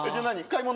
買い物？